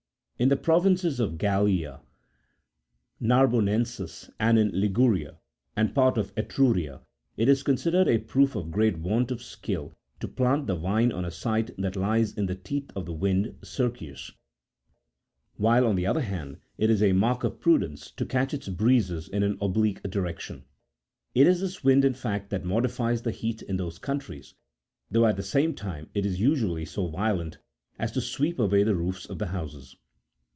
In the provinces of Gallia Narbonensis, and in Liguria and part of Etruria, it is considered a proof of great want of skill to plant the vine on a site that lies in the teeth of the wind Circius,20 while, on the other hand, it is a mark of prudence to catch its breezes in an oblique direction ; it is this wind, in fact, that modifies the heat in those countries, though at the same time it is usually so violent, as to sweep away the roofs of the houses.